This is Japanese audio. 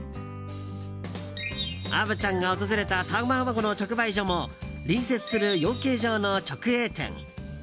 虻ちゃんが訪れた卵の直売所も隣接する養鶏場の直営店。